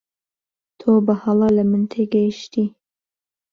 تۆ بەهەڵە لە من تێگەیشتی.